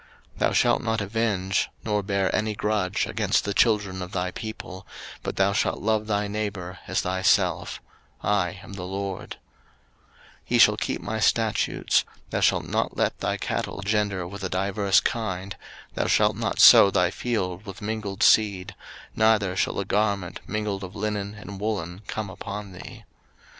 03:019:018 Thou shalt not avenge, nor bear any grudge against the children of thy people, but thou shalt love thy neighbour as thyself: I am the LORD. 03:019:019 Ye shall keep my statutes. Thou shalt not let thy cattle gender with a diverse kind: thou shalt not sow thy field with mingled seed: neither shall a garment mingled of linen and woollen come upon thee.